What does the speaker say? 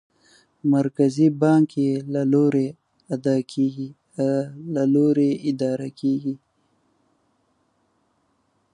مرکزي بانک یې له لوري اداره کېږي.